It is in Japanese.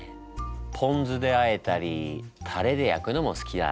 ポンずであえたりたれで焼くのも好きだ。